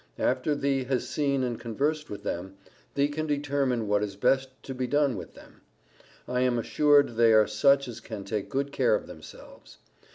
After thee has seen and conversed with them, thee can determine what is best to be done with them. I am assured they are such as can take good care of themselves.